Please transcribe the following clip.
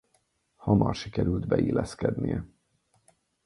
Hamar sikerült beilleszkednie.